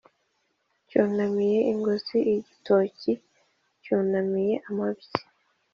Cyunamiye i Ngozi-Igitoki cyunamiye amabyi.